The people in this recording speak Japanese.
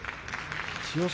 千代翔